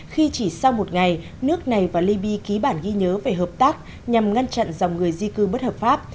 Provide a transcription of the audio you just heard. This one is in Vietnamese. khi chỉ sau một ngày nước này và liby ký bản ghi nhớ về hợp tác nhằm ngăn chặn dòng người di cư bất hợp pháp